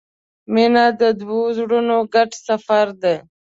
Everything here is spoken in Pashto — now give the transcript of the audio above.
• مینه د دوو زړونو ګډ سفر دی.